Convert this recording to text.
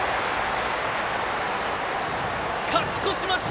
勝ち越しました。